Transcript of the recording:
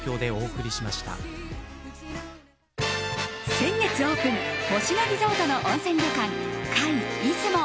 先月オープン、星野リゾートの温泉旅館、界出雲。